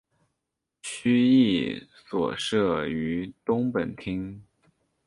区役所设于东本町。